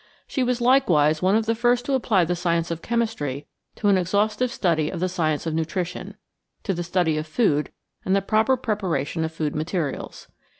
She was likewise one of the first to apply the science of chemistry to an exhaustive study of the science of nutrition to the study of food and the proper preparation of food materials.